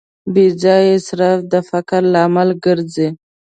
بېځایه اسراف د فقر لامل ګرځي.